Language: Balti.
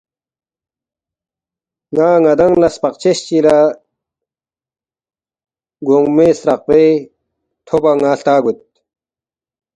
ن٘ا ن٘دانگ لہ سپقچس بقچس چی لہ گونگموے سترقپے تھوبان٘ا ہلتا گوید